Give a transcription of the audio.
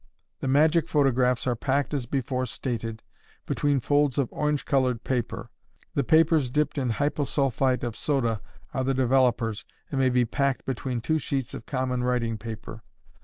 The magic photographs are packed as before stated, between folds of orange colored paper; the papers dipped in hyposulphite of soda are the developers, and may be packed between two sheets of common writing paper.